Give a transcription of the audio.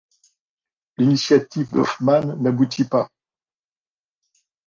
L'initiative d'Hoffman n'aboutit pas.